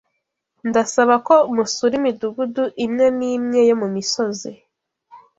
Ndasaba ko musura imidugudu imwe nimwe yo mumisozi.